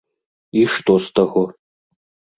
І што з таго?